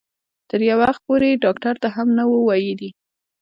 تر یو وخته پورې یې ډاکټر ته هم نه وو ویلي.